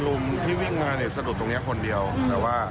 ลุงที่วิ่งมาเนี่ยสะดุดตรงนี้คนเดียวแต่ว่า